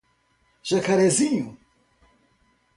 Jacarezinho